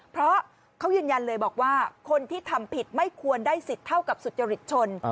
เพราะเขายืนยันเลยบอกว่าคนที่ทำผิดไม่ควรได้สิทธิ์เท่ากับสุจริตชน